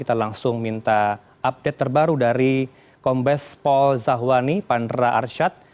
kita langsung minta update terbaru dari kombes pol zahwani pandra arsyad